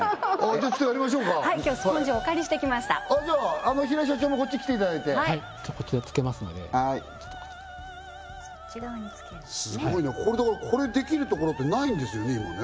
じゃあちょっとやりましょうか今日スポンジをお借りしてきました平井社長もこっち来ていただいてこちらつけますのではーいすごいなこれできるところってないんですよね今ね？